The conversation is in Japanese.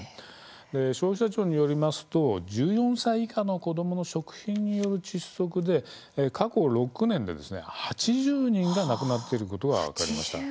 消費者庁によりますと１４歳以下の子どもの食品による窒息で過去６年で８０人が亡くなっていることが分かりました。